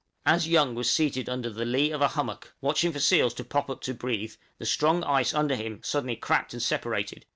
As Young was seated under the lee of a hummock, watching for seals to pop up to breathe, the strong ice under him suddenly cracked and separated!